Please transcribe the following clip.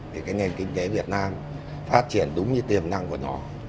thì cái nền kinh tế việt nam phát triển đúng như tiềm năng của nó